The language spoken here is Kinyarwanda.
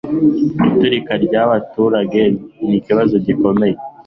Iturika ryabaturage nikibazo gikomeye.